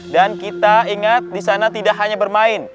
dan kita ingat di sana tidak hanya bermain